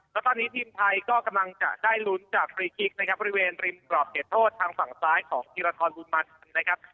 แล้วตอนนี้ทีมไทยก็กำลังจะได้ลุ้นจากฟรีคิกนะครับบริเวณริมกรอบเขตโทษทางฝั่งซ้ายของธีรทรบุญมาทันนะครับ